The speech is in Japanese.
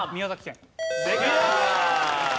正解。